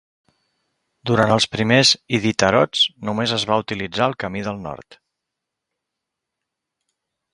Durant els primers Iditarods només es va utilitzar el camí del nord.